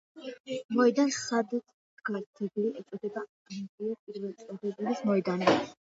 მოედანს სადაც დგას ძეგლი ეწოდება ანდრია პირველწოდებულის მოედანი.